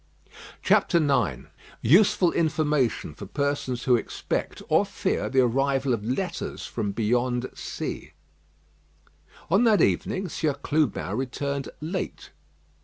IX USEFUL INFORMATION FOR PERSONS WHO EXPECT OR FEAR THE ARRIVAL OF LETTERS FROM BEYOND SEA On that evening, Sieur Clubin returned late.